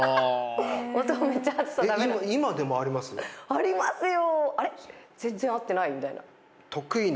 ありますよ。